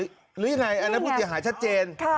อันนั้นผู้เสียหายชัดเจน